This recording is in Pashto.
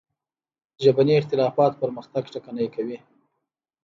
ژبني اختلافات پرمختګ ټکنی کوي.